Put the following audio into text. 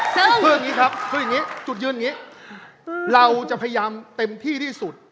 คืออย่างนี้ครับคืออย่างนี้จุดยืนอย่างนี้เราจะพยายามเต็มที่ที่สุด